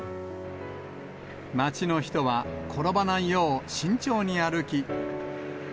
町の人は、転ばないよう慎重に歩き。